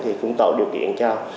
thì cũng tạo điều kiện cho